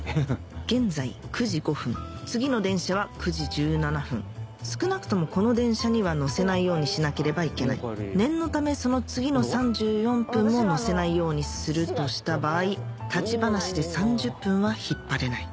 現在９時５分次の電車は９時１７分少なくともこの電車には乗せないようにしなければいけない念のためその次の３４分も乗せないようにするとした場合立ち話で３０分は引っ張れない